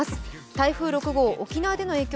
台風６号、沖縄での影響